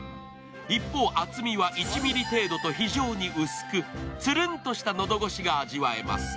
一方、厚みは１ｍｍ程度と非常に薄く、つるんとした喉越しが味わえます。